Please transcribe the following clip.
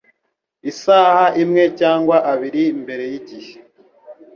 isaha imwe cyangwa abiri mbere y’igihe